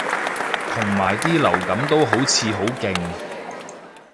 同埋啲流感都好似好勁